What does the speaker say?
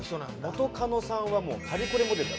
元カノさんはもうパリコレモデル。